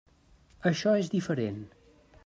Això és diferent.